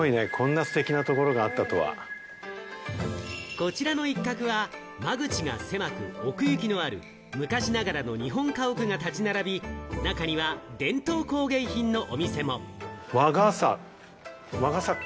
こちらの一角は、間口が狭く、奥行きのある昔ながらの日本家屋が立ち並び、中には伝統工芸品のお店も。